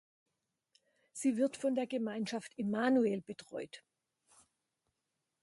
Sie wird von der Gemeinschaft Emmanuel betreut.